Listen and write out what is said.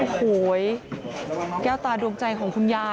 พอลูกเขยกลับเข้าบ้านไปพร้อมกับหลานได้ยินเสียงปืนเลยนะคะ